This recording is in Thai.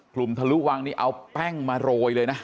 ทะลุวังนี่เอาแป้งมาโรยเลยนะ